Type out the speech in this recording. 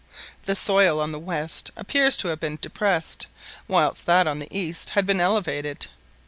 The soil on the west appeared to have been depressed, whilst that on the east had been elevated.